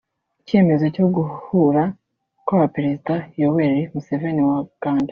Icyemezo cyo guhura kw’abaperezida Yoweri Museveni wa Uganda